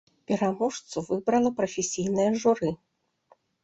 Пераможцу выбрала прафесійнае журы.